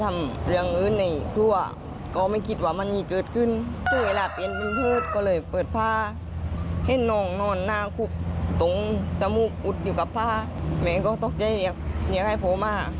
แม่งก็ตกใจเรียกเรียกให้พ่อมาก